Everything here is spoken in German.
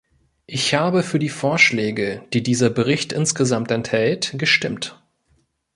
Ich habe für die Vorschläge, die dieser Bericht insgesamt enthält, gestimmt.